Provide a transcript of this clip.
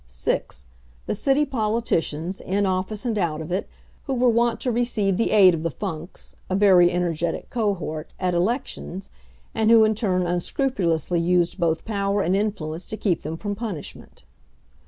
6. The city politicians, in office and out of it, who were wont to receive the aid of the Funks (a very energetic cohort) at elections, and who in return unscrupulously used both power and influence to keep them from punishment.